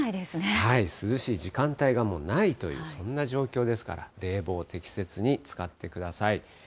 涼しい時間帯がもうないという、そんな状況ですから、冷房を適切に使ってください。